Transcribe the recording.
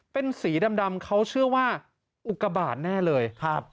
เป็นสีดำเขาเชื่อว่าอุกบาทแน่เลยครับ